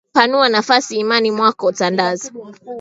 Panua nafasi imani mwako Tandaza